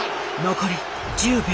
残り１０秒。